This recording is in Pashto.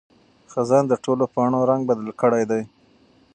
خزان د ټولو پاڼو رنګ بدل کړی دی.